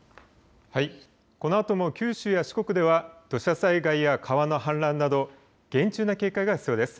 このあとも九州や四国では土砂災害や川の氾濫など厳重な警戒が必要です。